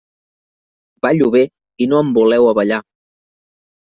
Ballo bé i no em voleu a ballar.